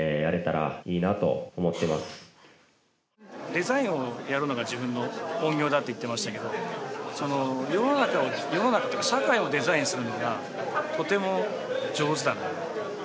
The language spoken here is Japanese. デザインをやるのが自分の本業だって言ってましたけどその世の中を世の中っていうか社会をデザインするのがとても上手だなと。